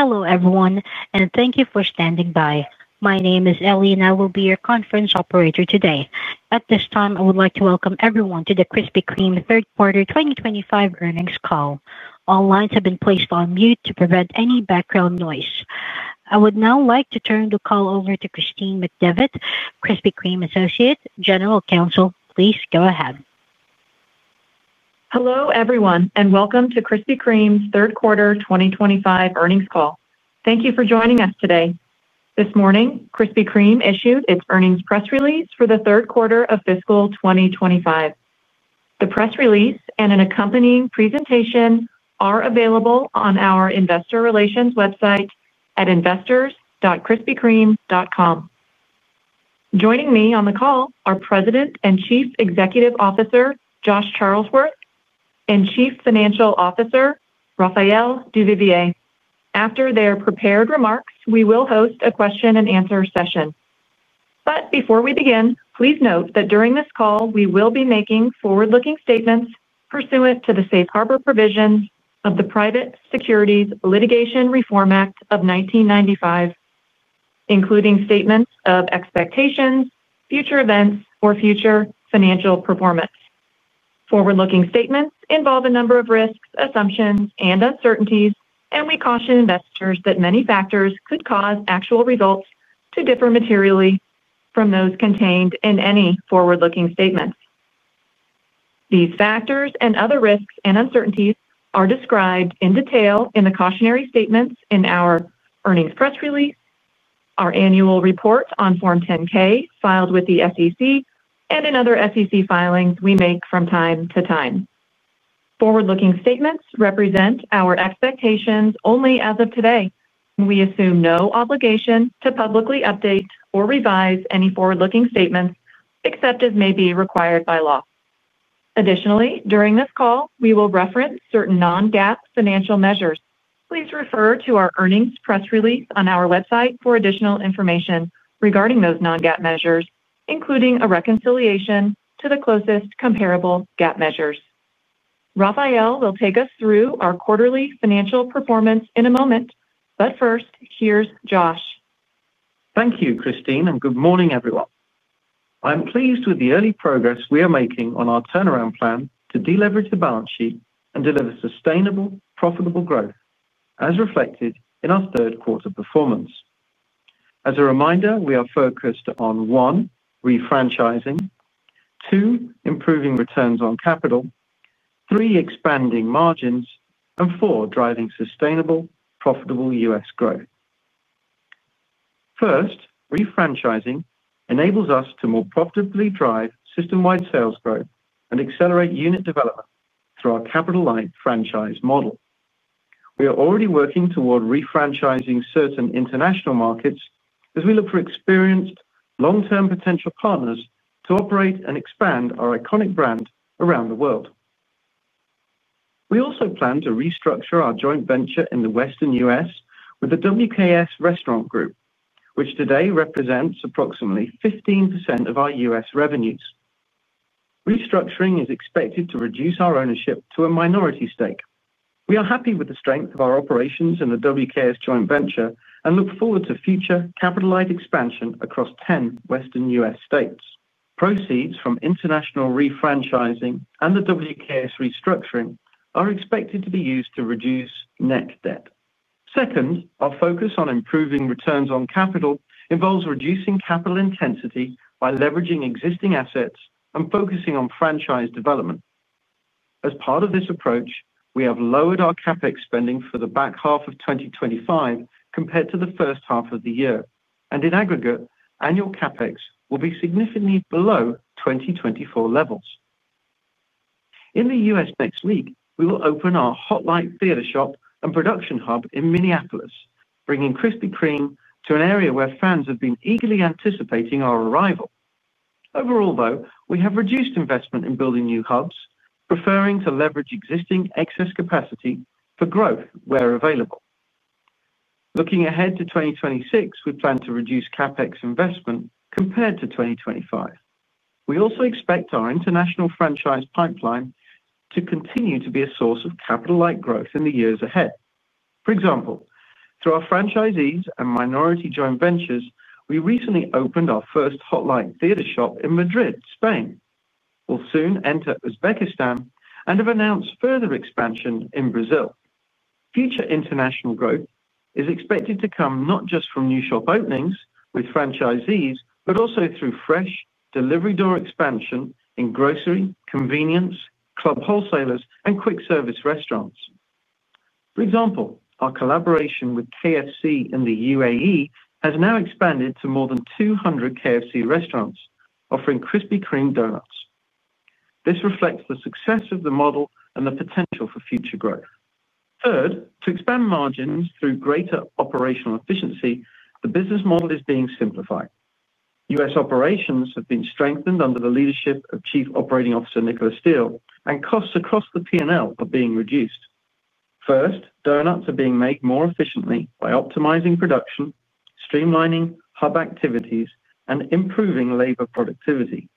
Hello everyone, and thank you for standing by. My name is Ellie, and I will be your conference operator today. At this time, I would like to welcome everyone to the Krispy Kreme third quarter 2025 earnings call. All lines have been placed on mute to prevent any background noise. I would now like to turn the call over to Christine McDevitt, Krispy Kreme Associate General Counsel. Please go ahead. Hello everyone, and welcome to Krispy Kreme's Third Quarter 2025 Earnings Call. Thank you for joining us today. This morning, Krispy Kreme issued its earnings press release for the third quarter of fiscal 2025. The press release and an accompanying presentation are available on our investor relations website at investors.krispykreme.com. Joining me on the call are President and Chief Executive Officer Josh Charlesworth and Chief Financial Officer Raphael Duvivier. After their prepared remarks, we will host a question and answer session. Please note that during this call, we will be making forward-looking statements pursuant to the safe harbor provisions of the Private Securities Litigation Reform Act of 1995, including statements of expectations, future events, or future financial performance. Forward-looking statements involve a number of risks, assumptions, and uncertainties, and we caution investors that many factors could cause actual results to differ materially from those contained in any forward-looking statements. These factors and other risks and uncertainties are described in detail in the cautionary statements in our earnings press release, our annual report on Form 10-K filed with the SEC, and in other SEC filings we make from time to time. Forward-looking statements represent our expectations only as of today, and we assume no obligation to publicly update or revise any forward-looking statements except as may be required by law. Additionally, during this call, we will reference certain non-GAAP financial measures. Please refer to our earnings press release on our website for additional information regarding those non-GAAP measures, including a reconciliation to the closest comparable GAAP measures. Raphael will take us through our quarterly financial performance in a moment, but first, here's Josh. Thank you, Christine, and good morning, everyone. I'm pleased with the early progress we are making on our turnaround plan to deleverage the balance sheet and deliver sustainable, profitable growth as reflected in our third quarter performance. As a reminder, we are focused on: one, refranchising; two, improving returns on capital; three, expanding margins; and four, driving sustainable, profitable U.S. growth. First, refranchising enables us to more profitably drive system-wide sales growth and accelerate unit development through our capital-light franchise model. We are already working toward refranchising certain international markets as we look for experienced, long-term potential partners to operate and expand our iconic brand around the world. We also plan to restructure our joint venture in the Western U.S. with the WKS Restaurant Group, which today represents approximately 15% of our U.S. revenues. Restructuring is expected to reduce our ownership to a minority stake. We are happy with the strength of our operations in the WKS joint venture and look forward to future capital-light expansion across 10 Western U.S. states. Proceeds from international refranchising and the WKS restructuring are expected to be used to reduce net debt. Second, our focus on improving returns on capital involves reducing capital intensity by leveraging existing assets and focusing on franchise development. As part of this approach, we have lowered our CapEx spending for the back half of 2025 compared to the first half of the year, and in aggregate, annual CapEx will be significantly below 2024 levels. In the U.S. next week, we will open our Hot Light Theater Shop and production hub in Minneapolis, bringing Krispy Kreme to an area where fans have been eagerly anticipating our arrival. Overall, though, we have reduced investment in building new hubs, preferring to leverage existing excess capacity for growth where available. Looking ahead to 2026, we plan to reduce CapEx investment compared to 2025. We also expect our international franchise pipeline to continue to be a source of capital-light growth in the years ahead. For example, through our franchisees and minority joint ventures, we recently opened our first Hot Light Theater Shop in Madrid, Spain. We'll soon enter Uzbekistan and have announced further expansion in Brazil. Future international growth is expected to come not just from new shop openings with franchisees, but also through fresh delivery door expansion in grocery, convenience, club wholesalers, and quick service restaurants. For example, our collaboration with KFC in the UAE has now expanded to more than 200 KFC restaurants offering Krispy Kreme donuts. This reflects the success of the model and the potential for future growth. Third, to expand margins through greater operational efficiency, the business model is being simplified. U.S. operations have been strengthened under the leadership of Chief Operating Officer Nicola Steele, and costs across the P&L are being reduced. First, donuts are being made more efficiently by optimizing production, streamlining hub activities, and improving labor productivity.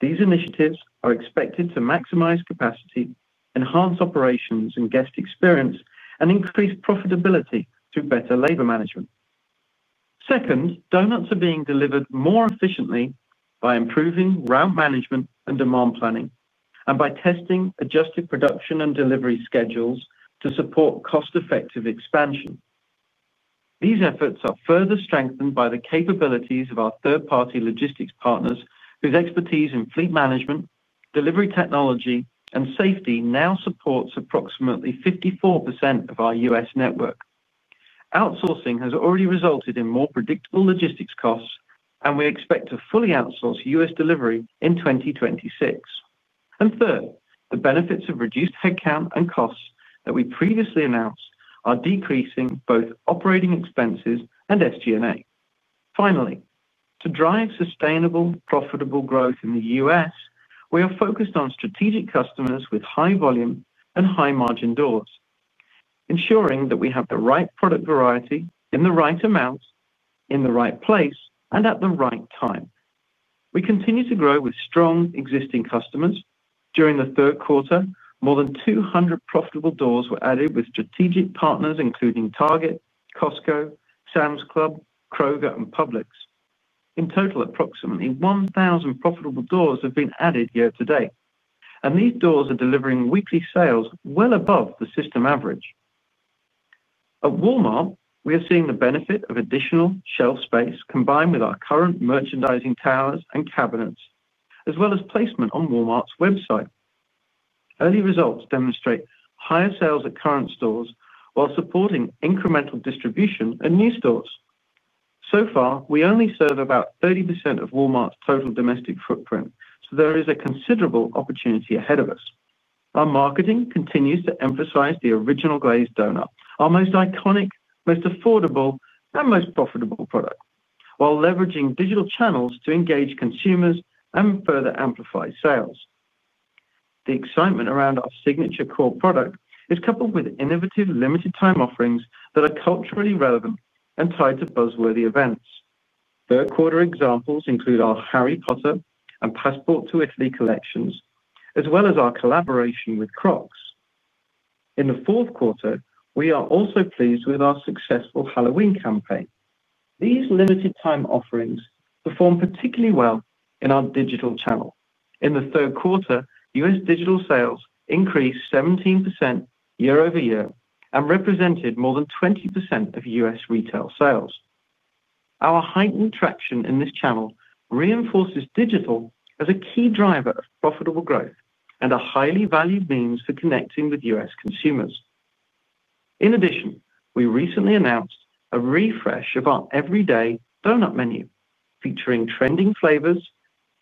These initiatives are expected to maximize capacity, enhance operations and guest experience, and increase profitability through better labor management. Second, donuts are being delivered more efficiently by improving route management and demand planning, and by testing adjusted production and delivery schedules to support cost-effective expansion. These efforts are further strengthened by the capabilities of our third-party logistics partners whose expertise in fleet management, delivery technology, and safety now supports approximately 54% of our U.S. network. Outsourcing has already resulted in more predictable logistics costs, and we expect to fully outsource U.S. delivery in 2026. Third, the benefits of reduced headcount and costs that we previously announced are decreasing both operating expenses and SG&A. Finally, to drive sustainable, profitable growth in the U.S., we are focused on strategic customers with high volume and high margin doors, ensuring that we have the right product variety in the right amounts, in the right place, and at the right time. We continue to grow with strong existing customers. During the third quarter, more than 200 profitable doors were added with strategic partners including Target, Costco, Sam's Club, Kroger, and Publix. In total, approximately 1,000 profitable doors have been added year to date, and these doors are delivering weekly sales well above the system average. At Walmart, we are seeing the benefit of additional shelf space combined with our current merchandising towers and cabinets, as well as placement on Walmart's website. Early results demonstrate higher sales at current stores while supporting incremental distribution at new stores. So far, we only serve about 30% of Walmart's total domestic footprint, so there is a considerable opportunity ahead of us. Our marketing continues to emphasize the Original Glazed doughnut, our most iconic, most affordable, and most profitable product, while leveraging digital channels to engage consumers and further amplify sales. The excitement around our signature core product is coupled with innovative limited-time offerings that are culturally relevant and tied to buzzworthy events. Third-quarter examples include our Harry Potter and Passport to Italy collections, as well as our collaboration with Crocs. In the fourth quarter, we are also pleased with our successful Halloween campaign. These limited-time offerings performed particularly well in our digital channel. In the third quarter, U.S. digital sales increased 17% year-over-year and represented more than 20% of U.S. retail sales. Our heightened traction in this channel reinforces digital as a key driver of profitable growth and a highly valued means for connecting with U.S. consumers. In addition, we recently announced a refresh of our everyday donut menu, featuring trending flavors,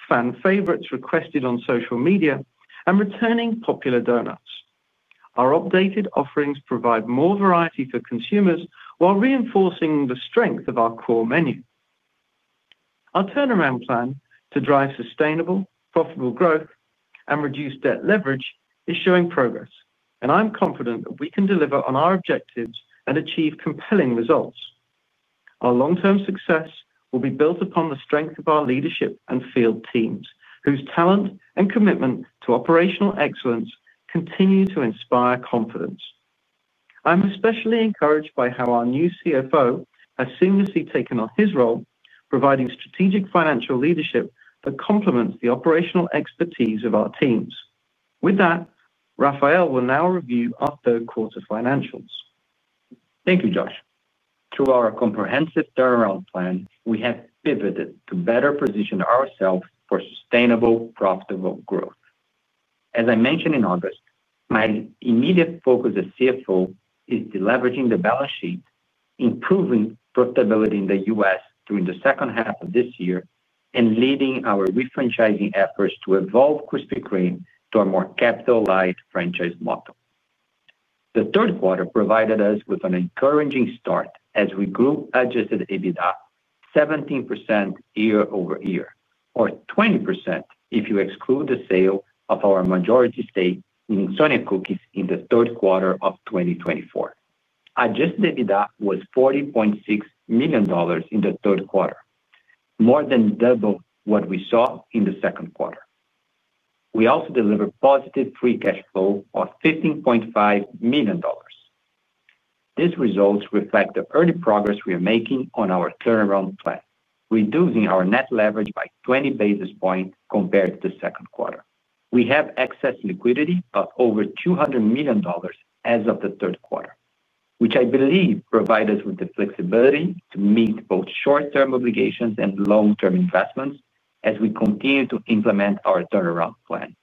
fan favorites requested on social media, and returning popular donuts. Our updated offerings provide more variety for consumers while reinforcing the strength of our core menu. Our turnaround plan to drive sustainable, profitable growth and reduce debt leverage is showing progress, and I'm confident that we can deliver on our objectives and achieve compelling results. Our long-term success will be built upon the strength of our leadership and field teams, whose talent and commitment to operational excellence continue to inspire confidence. I'm especially encouraged by how our new CFO has seamlessly taken on his role, providing strategic financial leadership that complements the operational expertise of our teams. With that, Raphael will now review our third quarter financials. Thank you, Josh. Through our comprehensive turnaround plan, we have pivoted to better position ourselves for sustainable, profitable growth. As I mentioned in August, my immediate focus as CFO is deleveraging the balance sheet, improving profitability in the U.S. during the second half of this year, and leading our refranchising efforts to evolve Krispy Kreme to a more capital-light franchise model. The third quarter provided us with an encouraging start as we grew adjusted EBITDA 17% year-over-year, or 20% if you exclude the sale of our majority stake in Insomnia Cookies in the third quarter of 2024. Adjusted EBITDA was $40.6 million in the third quarter, more than double what we saw in the second quarter. We also delivered positive free cash flow of $15.5 million. These results reflect the early progress we are making on our turnaround plan, reducing our net leverage by 20 basis points compared to the second quarter. We have excess liquidity of over $200 million as of the third quarter, which I believe provides us with the flexibility to meet both short-term obligations and long-term investments as we continue to implement our turnaround plan.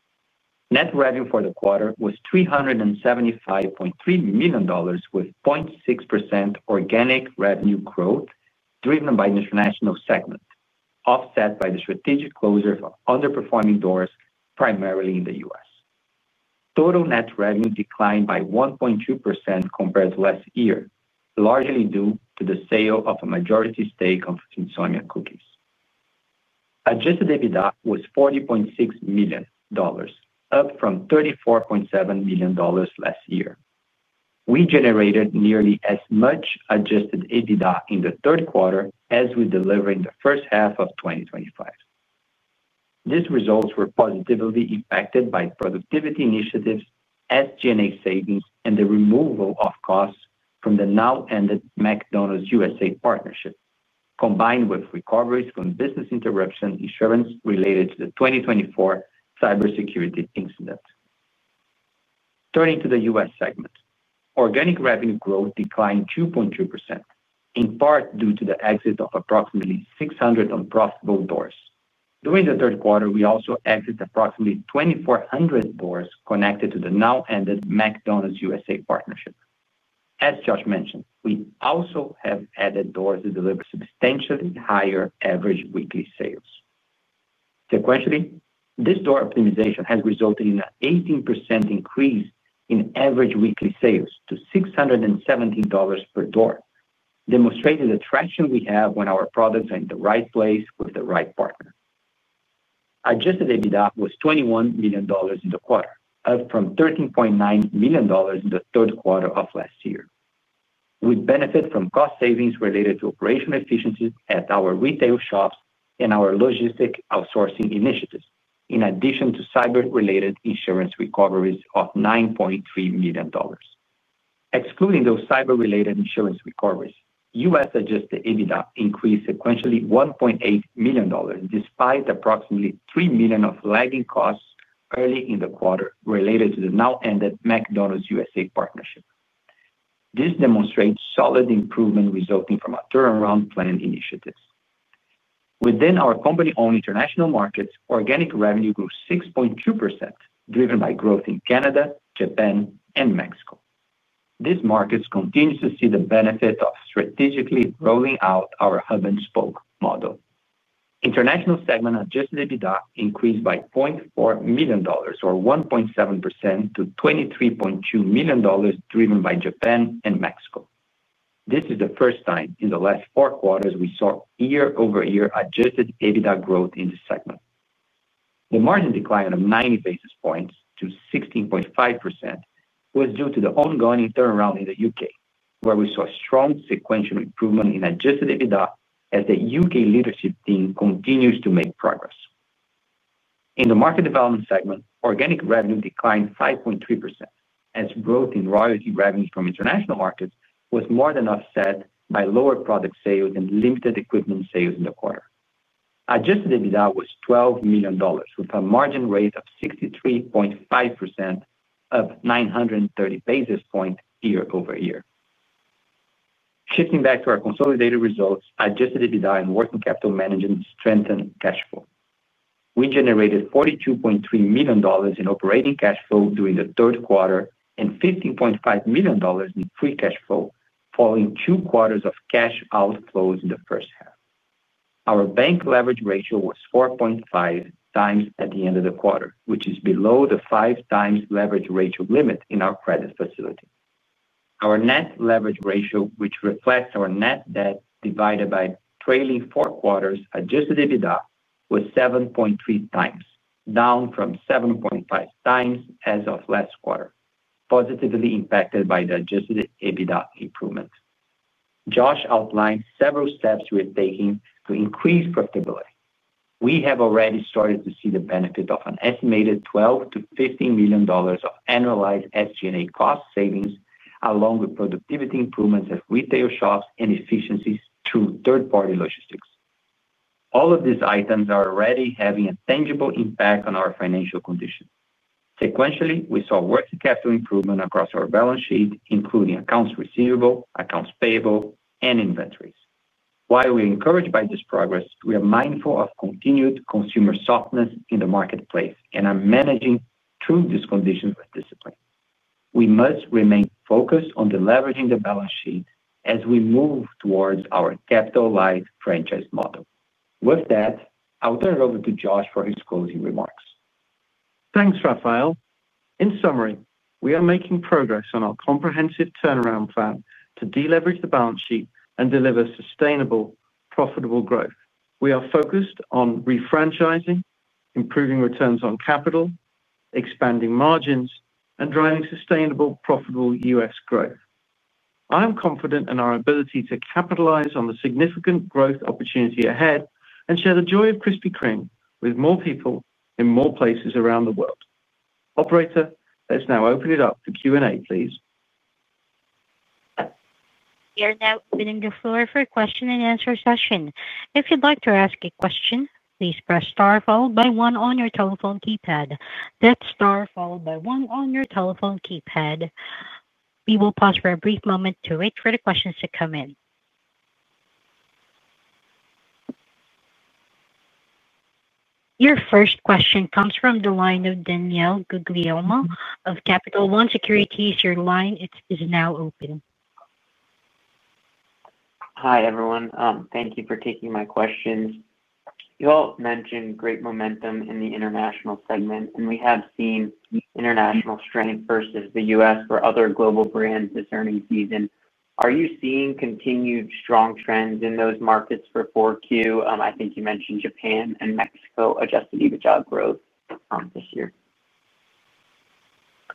Net revenue for the quarter was $375.3 million, with 0.6% organic revenue growth driven by the international segment, offset by the strategic closure of underperforming doors primarily in the U.S. Total net revenue declined by 1.2% compared to last year, largely due to the sale of a majority stake of Insomnia Cookies. Adjusted EBITDA was $40.6 million, up from $34.7 million last year. We generated nearly as much adjusted EBITDA in the third quarter as we delivered in the first half of 2025. These results were positively impacted by productivity initiatives, SG&A savings, and the removal of costs from the now-ended McDonald's U.S.A. partnership, combined with recoveries from business interruption insurance related to the 2024 cybersecurity incident. Turning to the U.S. segment, organic revenue growth declined 2.2%, in part due to the exit of approximately 600 unprofitable doors. During the third quarter, we also exited approximately 2,400 doors connected to the now-ended McDonald's U.S.A. partnership. As Josh mentioned, we also have added doors that deliver substantially higher average weekly sales. Sequentially, this door optimization has resulted in an 18% increase in average weekly sales to $617 per door, demonstrating the traction we have when our products are in the right place with the right partner. Adjusted EBITDA was $21 million in the quarter, up from $13.9 million in the third quarter of last year. We benefit from cost savings related to operational efficiencies at our retail shops and our logistic outsourcing initiatives, in addition to cyber-related insurance recoveries of $9.3 million. Excluding those cyber-related insurance recoveries, U.S. adjusted EBITDA increased sequentially $1.8 million despite approximately $3 million of lagging costs early in the quarter related to the now-ended McDonald's USA partnership. This demonstrates solid improvement resulting from our turnaround plan initiatives. Within our company-owned international markets, organic revenue grew 6.2%, driven by growth in Canada, Japan, and Mexico. These markets continue to see the benefit of strategically rolling out our hub-and-spoke model. International segment adjusted EBITDA increased by $0.4 million, or 1.7%, to $23.2 million, driven by Japan and Mexico. This is the first time in the last four quarters we saw year-over-year adjusted EBITDA growth in the segment. The margin decline of 90 basis points to 16.5% was due to the ongoing turnaround in the U.K., where we saw strong sequential improvement in adjusted EBITDA as the U.K. leadership team continues to make progress. In the market development segment, organic revenue declined 5.3% as growth in royalty revenue from international markets was more than offset by lower product sales and limited equipment sales in the quarter. Adjusted EBITDA was $12 million, with a margin rate of 63.5%, up 930 basis points year-over-year. Shifting back to our consolidated results, adjusted EBITDA and working capital management strengthened cash flow. We generated $42.3 million in operating cash flow during the third quarter and $15.5 million in free cash flow, following two quarters of cash outflows in the first half. Our bank leverage ratio was 4.5 times at the end of the quarter, which is below the five-times leverage ratio limit in our credit facility. Our net leverage ratio, which reflects our net debt divided by trailing four quarters adjusted EBITDA, was 7.3 times, down from 7.5 times as of last quarter, positively impacted by the adjusted EBITDA improvement. Josh outlined several steps we are taking to increase profitability. We have already started to see the benefit of an estimated $12-15 million of annualized SG&A cost savings, along with productivity improvements at retail shops and efficiencies through third-party logistics. All of these items are already having a tangible impact on our financial condition. Sequentially, we saw working capital improvement across our balance sheet, including accounts receivable, accounts payable, and inventories. While we are encouraged by this progress, we are mindful of continued consumer softness in the marketplace and are managing through these conditions with discipline. We must remain focused on deleveraging the balance sheet as we move towards our capital-light franchise model. With that, I'll turn it over to Josh for his closing remarks. Thanks, Raphael. In summary, we are making progress on our comprehensive turnaround plan to deleverage the balance sheet and deliver sustainable, profitable growth. We are focused on refranchising, improving returns on capital, expanding margins, and driving sustainable, profitable U.S. growth. I am confident in our ability to capitalize on the significant growth opportunity ahead and share the joy of Krispy Kreme with more people in more places around the world. Operator, let's now open it up to Q&A, please. We are now opening the floor for a question-and-answer session. If you'd like to ask a question, please press star followed by one on your telephone keypad. That's star followed by one on your telephone keypad. We will pause for a brief moment to wait for the questions to come in. Your first question comes from the line of Daniel Guglielmo of Capital One Securities. Your line is now open. Hi, everyone. Thank you for taking my questions. You all mentioned great momentum in the international segment, and we have seen international strength versus the U.S. for other global brands this earnings season. Are you seeing continued strong trends in those markets for Q4? I think you mentioned Japan and Mexico adjusted EBITDA growth this year,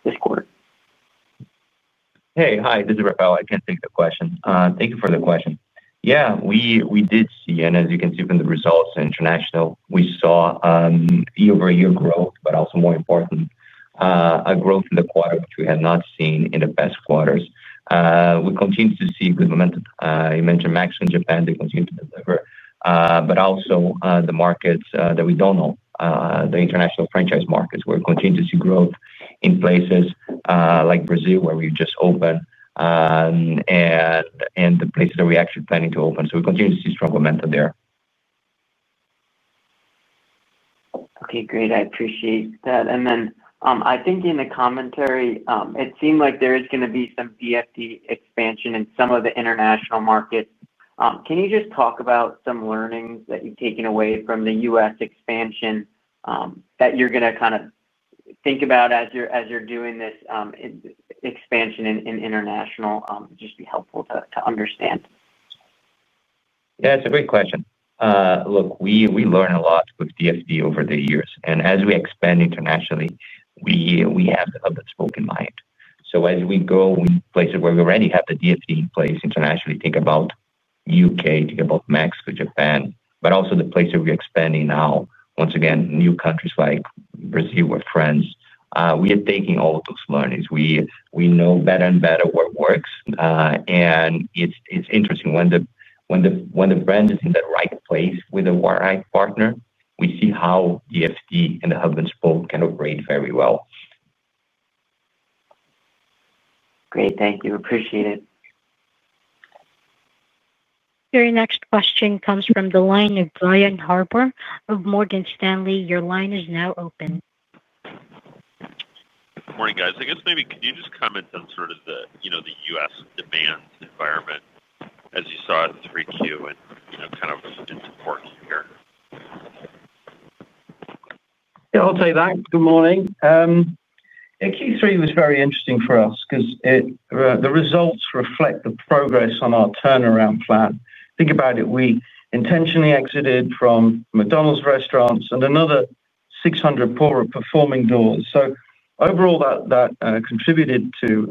this quarter. Hey, hi. This is Raphael. I can't think of the question. Thank you for the question. Yeah, we did see, and as you can see from the results in international, we saw year-over-year growth, but also, more importantly, a growth in the quarter which we have not seen in the past quarters. We continue to see good momentum. You mentioned Mexico and Japan. They continue to deliver. Also, the markets that we don't know, the international franchise markets, we're continuing to see growth in places like Brazil, where we just opened, and the places that we're actually planning to open. We continue to see strong momentum there. Okay, great. I appreciate that. I think in the commentary, it seemed like there is going to be some DFD expansion in some of the international markets. Can you just talk about some learnings that you've taken away from the U.S. expansion that you're going to kind of think about as you're doing this expansion in international? It'd just be helpful to understand. Yeah, it's a great question. Look, we learned a lot with DFD over the years. As we expand internationally, we have the hub-and-spoke in mind. As we go in places where we already have the DFD in place internationally, think about the U.K., think about Mexico, Japan, but also the places we're expanding now, once again, new countries like Brazil or France. We are taking all of those learnings. We know better and better what works. It's interesting when the brand is in the right place with the right partner, we see how DFD and the hub-and-spoke can operate very well. Great. Thank you. Appreciate it. Your next question comes from the line of Brian Harbour of Morgan Stanley. Your line is now open. Good morning, guys. I guess maybe can you just comment on sort of the U.S. demand environment as you saw it at 3Q and kind of its importance here? Yeah, I'll take that. Good morning. Q3 was very interesting for us because the results reflect the progress on our turnaround plan. Think about it. We intentionally exited from McDonald's restaurants and another 600 poorer performing doors. Overall, that contributed to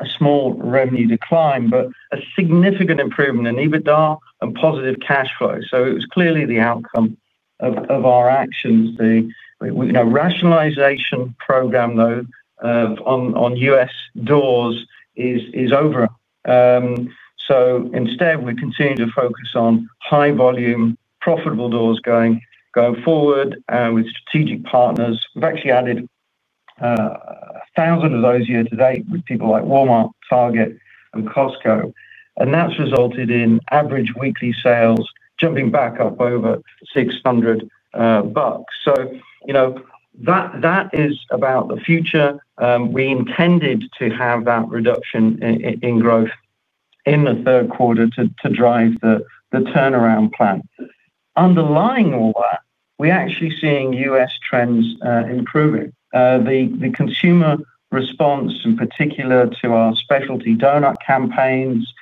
a small revenue decline, but a significant improvement in EBITDA and positive cash flow. It was clearly the outcome of our actions. The rationalization program, though, on U.S. doors is over. Instead, we continue to focus on high-volume, profitable doors going forward with strategic partners. We've actually added 1,000 of those year to date with people like Walmart, Target, and Costco. That has resulted in average weekly sales jumping back up over $600. That is about the future. We intended to have that reduction in growth in the third quarter to drive the turnaround plan. Underlying all that, we're actually seeing U.S. trends improving. The consumer response, in particular to our specialty donut campaigns,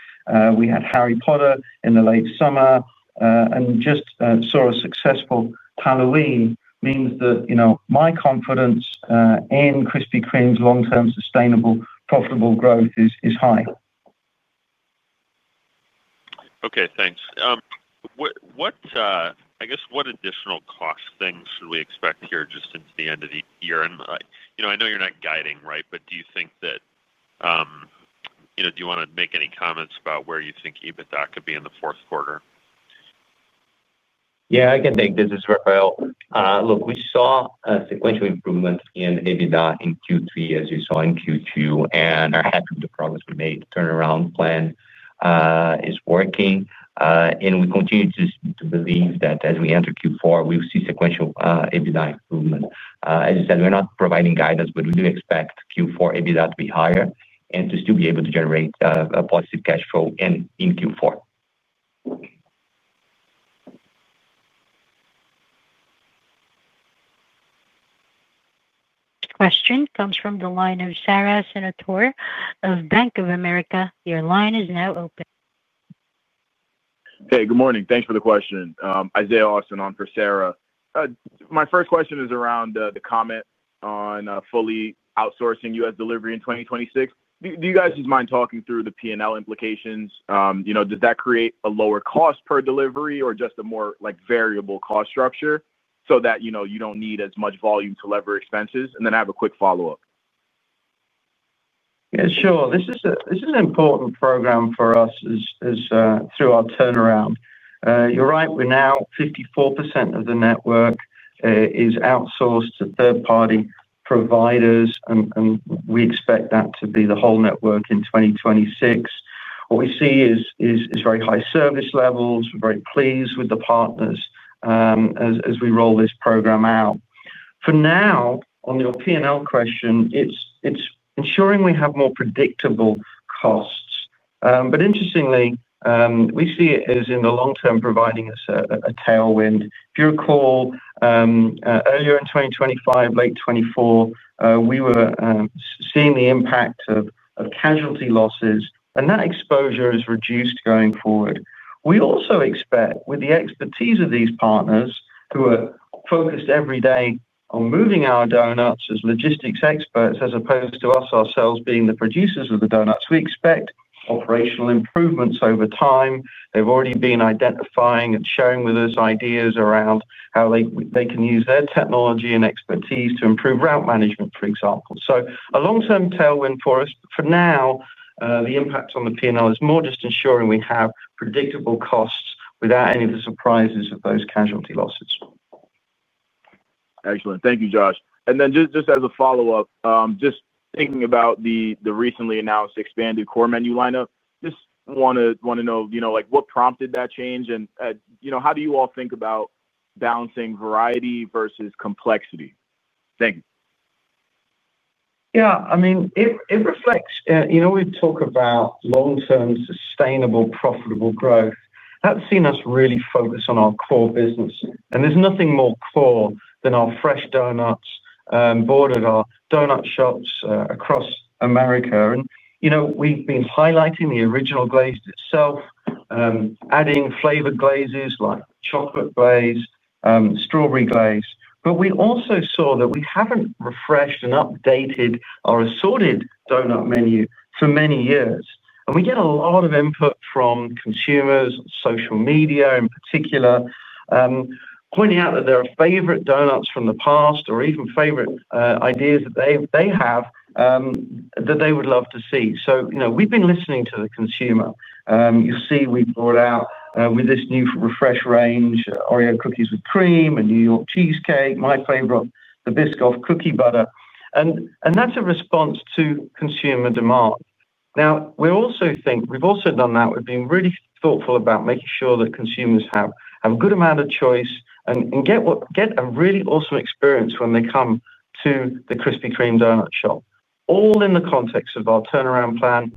we had Harry Potter in the late summer, and just saw a successful Halloween, means that my confidence in Krispy Kreme's long-term sustainable, profitable growth is high. Okay, thanks. I guess what additional cost things should we expect here just into the end of the year? I know you're not guiding, right? Do you think that. Do you want to make any comments about where you think EBITDA could be in the fourth quarter? Yeah, I can take this as well. Look, we saw a sequential improvement in EBITDA in Q3, as you saw in Q2, and are happy with the progress we made. The turnaround plan is working. We continue to believe that as we enter Q4, we will see sequential EBITDA improvement. As I said, we're not providing guidance, but we do expect Q4 EBITDA to be higher and to still be able to generate a positive cash flow in Q4. Question comes from the line of Sara Senatore of Bank of America. Your line is now open. Hey, good morning. Thanks for the question. Isiah Austin on for Sarah. My first question is around the comment on fully outsourcing U.S. delivery in 2026. Do you guys just mind talking through the P&L implications? Does that create a lower cost per delivery or just a more variable cost structure so that you do not need as much volume to lever expenses? I have a quick follow-up. Yeah, sure. This is an important program for us. Through our turnaround. You're right. We're now 54% of the network is outsourced to third-party providers, and we expect that to be the whole network in 2026. What we see is very high service levels. We're very pleased with the partners as we roll this program out. For now, on the P&L question, it's ensuring we have more predictable costs. Interestingly, we see it as, in the long term, providing us a tailwind. If you recall, earlier in 2025, late 2024, we were seeing the impact of casualty losses, and that exposure is reduced going forward. We also expect, with the expertise of these partners who are focused every day on moving our donuts as logistics experts, as opposed to us ourselves being the producers of the donuts, we expect operational improvements over time. They've already been identifying and sharing with us ideas around how they can use their technology and expertise to improve route management, for example. A long-term tailwind for us. For now, the impact on the P&L is more just ensuring we have predictable costs without any of the surprises of those casualty losses. Excellent. Thank you, Josh. Just as a follow-up, just thinking about the recently announced expanded core menu lineup, just want to know what prompted that change, and how do you all think about balancing variety versus complexity? Thank you. Yeah, I mean, it reflects we talk about long-term sustainable, profitable growth. That has seen us really focus on our core business. There is nothing more core than our fresh donuts, bordered our donut shops across America. We have been highlighting the Original Glazed itself, adding flavored glazes like chocolate glaze, strawberry glaze. We also saw that we have not refreshed and updated our assorted donut menu for many years. We get a lot of input from consumers, social media in particular, pointing out that there are favorite donuts from the past or even favorite ideas that they have that they would love to see. We have been listening to the consumer. You see we brought out, with this new refresh range, Oreo Cookies and Cream, a New York Cheesecake, my favorite, the Biscoff Cookie Butter. That is a response to consumer demand. Now, we're also thinking we've also done that. We've been really thoughtful about making sure that consumers have a good amount of choice and get a really awesome experience when they come to the Krispy Kreme donut shop. All in the context of our turnaround plan,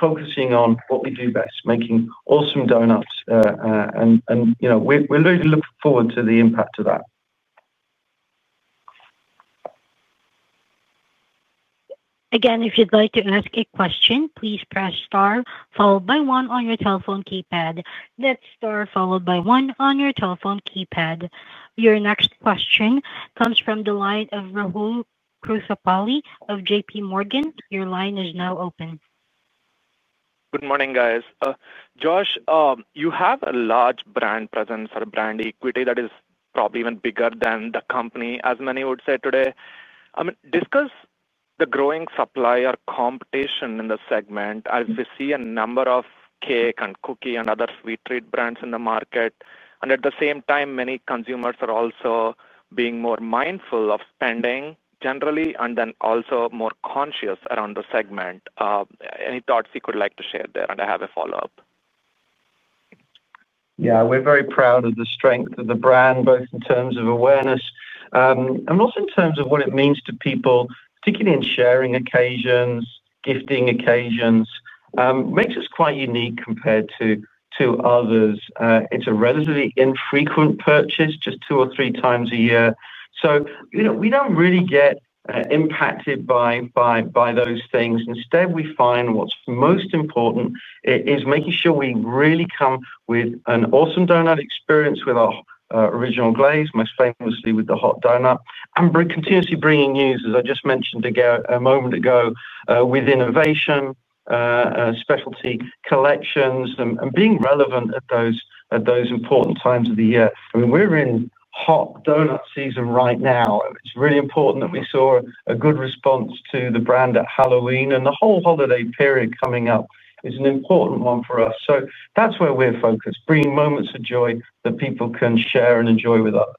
focusing on what we do best, making awesome donuts. We're really looking forward to the impact of that. Again, if you'd like to ask a question, please press star followed by one on your telephone keypad. That's star followed by one on your telephone keypad. Your next question comes from the line of Raja Krothapalli of JPMorgan. Your line is now open. Good morning, guys. Josh, you have a large brand presence or brand equity that is probably even bigger than the company, as many would say today. I mean, discuss the growing supply or competition in the segment as we see a number of cake and cookie and other sweet treat brands in the market. At the same time, many consumers are also being more mindful of spending generally and then also more conscious around the segment. Any thoughts you could like to share there? I have a follow-up. Yeah, we're very proud of the strength of the brand, both in terms of awareness and also in terms of what it means to people, particularly in sharing occasions, gifting occasions. Makes us quite unique compared to others. It's a relatively infrequent purchase, just two or three times a year. We don't really get impacted by those things. Instead, we find what's most important is making sure we really come with an awesome donut experience with our original glaze, most famously with the hot donut, and continuously bringing news, as I just mentioned a moment ago, with innovation, specialty collections, and being relevant at those important times of the year. I mean, we're in hot donut season right now. It's really important that we saw a good response to the brand at Halloween, and the whole holiday period coming up is an important one for us. That's where we're focused, bringing moments of joy that people can share and enjoy with us.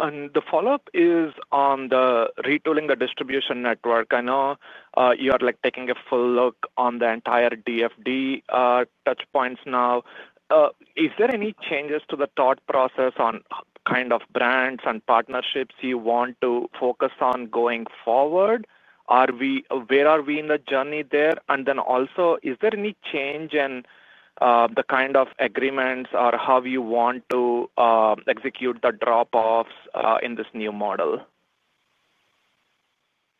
The follow-up is on the retailing distribution network. I know you are taking a full look on the entire DFD touchpoints now. Is there any changes to the thought process on kind of brands and partnerships you want to focus on going forward? Where are we in the journey there? Also, is there any change in the kind of agreements or how you want to execute the drop-offs in this new model?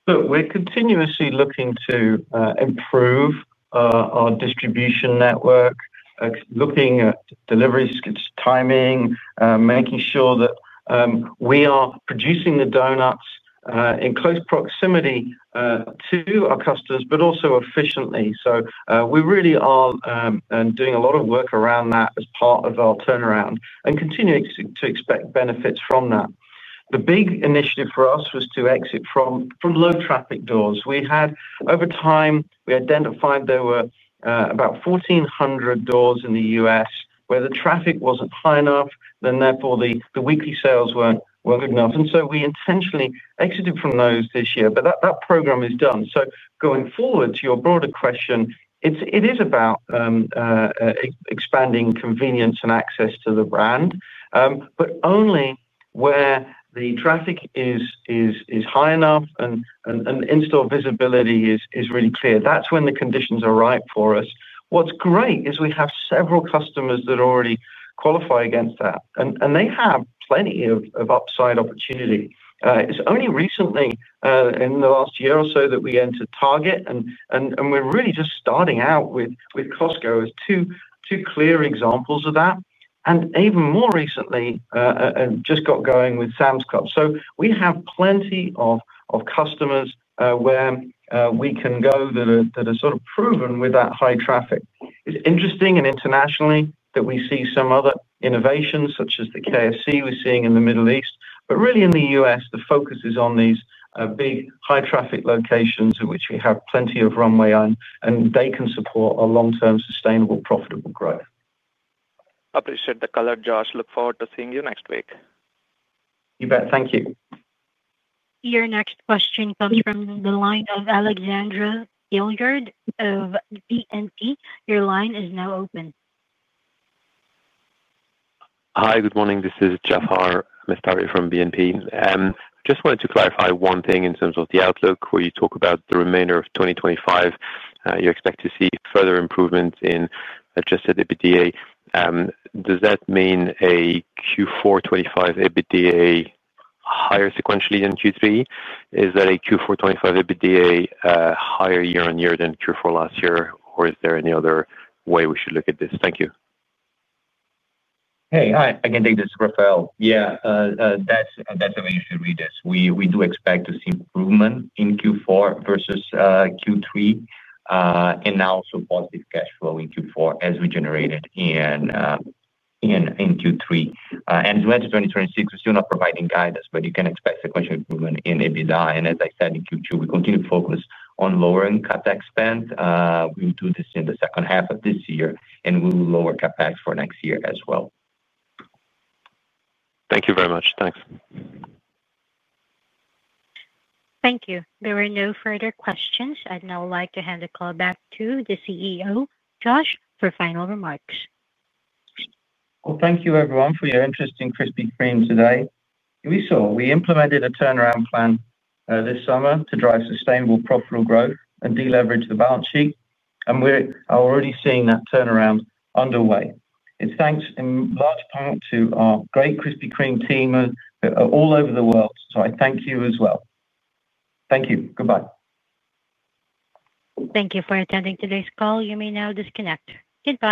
Look, we're continuously looking to improve our distribution network. Looking at delivery timing, making sure that we are producing the donuts in close proximity to our customers, but also efficiently. We really are doing a lot of work around that as part of our turnaround and continuing to expect benefits from that. The big initiative for us was to exit from low traffic doors. Over time, we identified there were about 1,400 doors in the U.S. where the traffic wasn't high enough, and therefore the weekly sales weren't good enough. We intentionally exited from those this year. That program is done. Going forward, to your broader question, it is about expanding convenience and access to the brand, but only where the traffic is high enough and in-store visibility is really clear. That's when the conditions are right for us. What's great is we have several customers that already qualify against that. They have plenty of upside opportunity. It's only recently, in the last year or so, that we entered Target. We're really just starting out with Costco as two clear examples of that. Even more recently, just got going with Sam's Club. We have plenty of customers where we can go that are sort of proven with that high traffic. It's interesting internationally that we see some other innovations, such as the KFC we're seeing in the Middle East. Really, in the U.S., the focus is on these big high-traffic locations in which we have plenty of runway, and they can support a long-term sustainable, profitable growth. Appreciate the color, Josh. Look forward to seeing you next week. You bet. Thank you. Your next question comes from the line of Alexandre Eldredge of BNP Paribas. Your line is now open. Hi, good morning. This is Jaafar Mestari from BNP Paribas. I just wanted to clarify one thing in terms of the outlook. When you talk about the remainder of 2025, you expect to see further improvements in, just at EBITDA. Does that mean a Q4 2025 EBITDA higher sequentially than Q3? Is that a Q4 2025 EBITDA higher year on year than Q4 last year? Or is there any other way we should look at this? Thank you. Hey, hi. I can take this as well. Yeah, that's the way you should read this. We do expect to see improvement in Q4 versus Q3. We now also expect positive cash flow in Q4 as we generated in Q3. As well as 2026, we're still not providing guidance, but you can expect sequential improvement in EBITDA. As I said, in Q2, we continue to focus on lowering CapEx spend. We will do this in the second half of this year, and we will lower CapEx for next year as well. Thank you very much. Thanks. Thank you. There are no further questions. I'd now like to hand the call back to the CEO, Josh, for final remarks. Thank you, everyone, for your interest in Krispy Kreme today. We saw we implemented a turnaround plan this summer to drive sustainable, profitable growth and deleverage the balance sheet. We are already seeing that turnaround underway. It is thanks in large part to our great Krispy Kreme team all over the world. I thank you as well. Thank you. Goodbye. Thank you for attending today's call. You may now disconnect. Goodbye.